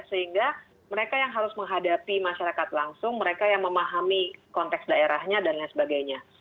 sehingga mereka yang harus menghadapi masyarakat langsung mereka yang memahami konteks daerahnya dan lain sebagainya